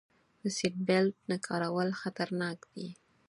د سیټ بیلټ نه کارول خطرناک دي.